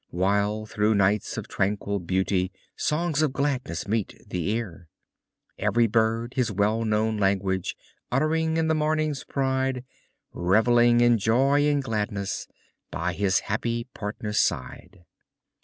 While, through nights of tranquil beauty, Songs of gladness meet the ear: Every bird his well known language Uttering in the morning's pride, Revelling in joy and gladness By his happy partner's side.